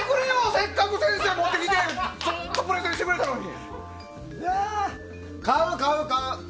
せっかく先生持ってきてずっとプレゼンしてくれたのに。